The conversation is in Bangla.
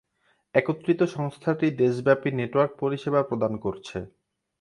একত্রিত সংস্থাটি দেশব্যাপী নেটওয়ার্ক পরিসেবা প্রদান করছে।